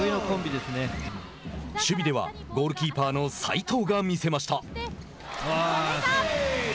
守備ではゴールキーパーの犀藤がみせました。